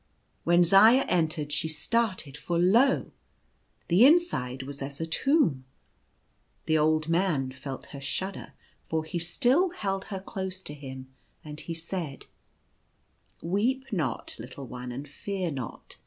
When Zaya entered, she started, for lo ! the inside was as a tomb. The old man felt her shudder, for he still held her close to him, and he said : 44 Weep not, little one, and fear not.